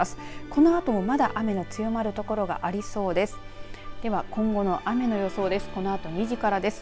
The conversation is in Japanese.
このあとも、まだ雨が強まる所がありそうです。